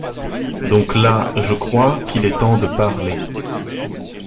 Donc là je crois qu’il est temps de parler.